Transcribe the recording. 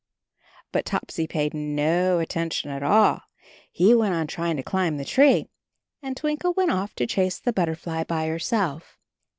But Topsy paid no attention at all. He went on trying to climb the tree, and Twin kle went off to chase the butterfly by herself.